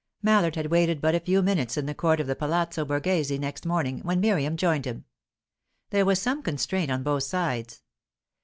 Mallard had waited but a few minutes in the court of the Palazzo Borghese next morning, when Miriam joined him. There was some constraint on both sides.